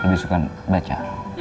lebih suka baca